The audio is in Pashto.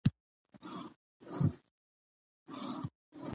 دګنې خبره خروبه وه.